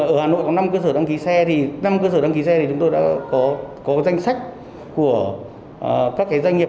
ở hà nội có năm cơ sở đăng ký xe thì năm cơ sở đăng ký xe thì chúng tôi đã có danh sách của các doanh nghiệp